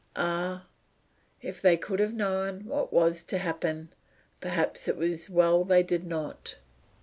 Ah, if they could have known what was to happen! Perhaps it was well they did not.